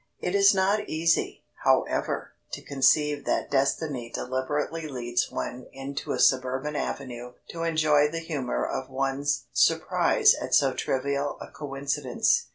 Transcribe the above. It is not easy, however, to conceive that destiny deliberately leads one into a suburban avenue to enjoy the humour of one's surprise at so trivial a coincidence.